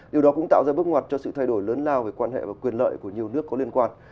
điều đó cũng tạo ra bước ngoặt cho sự thay đổi lớn lao về quan hệ và quyền lợi của nhiều nước có liên quan